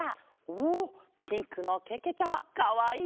おおピンクのけけちゃまかわいい！